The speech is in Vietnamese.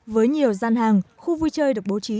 với nhiều gian hàng khu vui chơi được bố trí